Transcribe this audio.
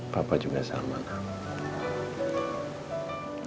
papa juga sama nam